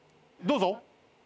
どうぞ。